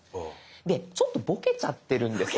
でちょっとボケちゃってるんですよ。